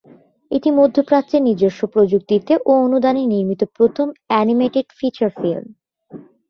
এটি মধ্যপ্রাচ্যের নিজস্ব প্রযুক্তিতে ও অনুদানে নির্মিত প্রথম অ্যানিমেটেড ফিচার ফিল্ম।